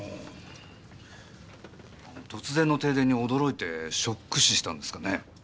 突然の停電に驚いてショック死したんですかね？